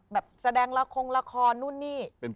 แบบแสดงละครนู่นนี่